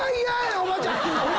おばちゃん！